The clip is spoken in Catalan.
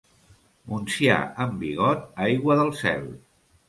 Montsià en bigot, aigua del cel.